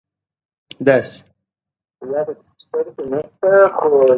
موږ به دغه لاره خپله کړو.